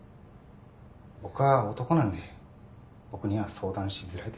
僕は男なんで僕には相談しづらいでしょうし。